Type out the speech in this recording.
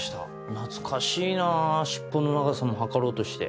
懐かしいなぁシッポの長さも測ろうとして。